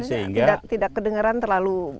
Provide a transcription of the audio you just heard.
sehingga tidak kedengeran terlalu